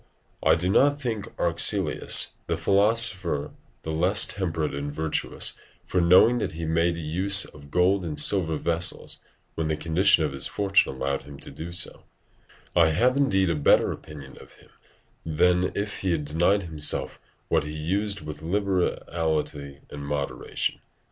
I do not think Arcesilaus the philosopher the less temperate and virtuous for knowing that he made use of gold and silver vessels, when the condition of his fortune allowed him so to do; I have indeed a better opinion of him than if he had denied himself what he used with liberality and moderation.